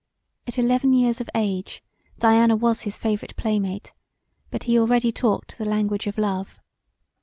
At eleven years of age Diana was his favourite playmate but he already talked the language of love.